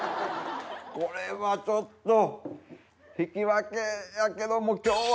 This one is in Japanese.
これはちょっと引き分けやけども。